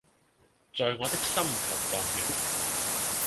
在我的心頭蕩漾